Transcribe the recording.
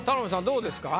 どうですか？